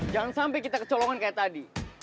jangan sampai kita kecolongan kayak tadi